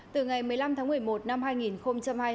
từ ngày một mươi năm tháng một mươi một năm hai nghìn hai mươi hai